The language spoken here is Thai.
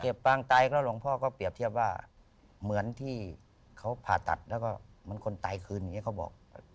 ปางตายแล้วหลวงพ่อก็เปรียบเทียบว่าเหมือนที่เขาผ่าตัดแล้วก็เหมือนคนตายคืนอย่างนี้เขาบอก